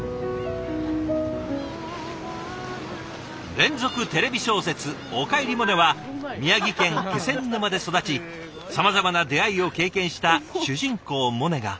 連続テレビ小説「おかえりモネ」は宮城県気仙沼で育ちさまざまな出会いを経験した主人公モネが。